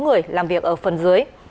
sáu người làm việc ở phần dưới